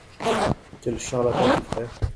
Quel charlatan tu ferais !…